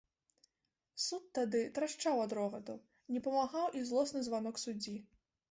Суд тады трашчаў ад рогату, не памагаў і злосны званок суддзі.